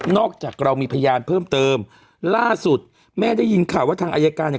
จากเรามีพยานเพิ่มเติมล่าสุดแม่ได้ยินข่าวว่าทางอายการเนี่ย